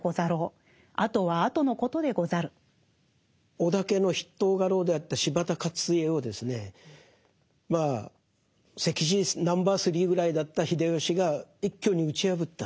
織田家の筆頭家老であった柴田勝家をですねまあ席次ナンバー３ぐらいだった秀吉が一挙に打ち破った。